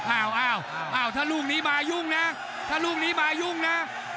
อ้าวถ้าลูกนี้มายุ่งนะถ้าลูกนี้มายุ่งนะ